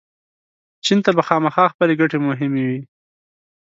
چین ته به خامخا خپلې ګټې مهمې وي.